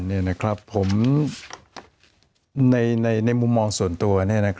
จากครั้งที่เราพบกันผมในมุมมองส่วนตัว